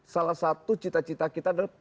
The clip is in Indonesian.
salah satu cita cita kita adalah